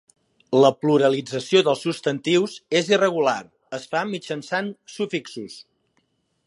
La pluralització dels substantius és irregular, es fa mitjançant sufixos.